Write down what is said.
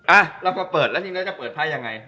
อ่ะเรามาเปิดแล้วจริงแล้วจะเปิดไพ่ยังไง